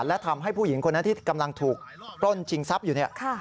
และทำให้ผู้หญิงคนนั้นที่กำลังถูกปล้นชิงทรัพย์อยู่เนี่ย